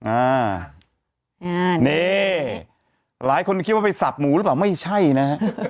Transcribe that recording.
อ่านี่หลายคนคิดว่าไปสับหมูหรือเปล่าไม่ใช่นะฮะ